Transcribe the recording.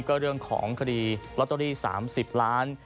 ก็เรื่องของคดีลอตเตอรี่๓๐ล้าน